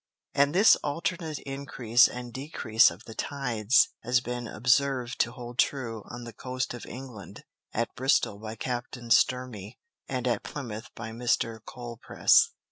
And this alternate Increase and Decrease of the Tides has been observ'd to hold true on the Coast of England, at Bristol by Captain Sturmy, and at Plymouth by Mr. Colepresse.